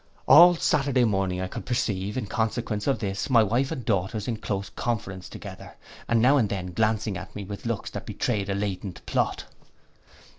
All Saturday morning I could perceive, in consequence of this, my wife and daughters in close conference together, and now and then glancing at me with looks that betrayed a latent plot.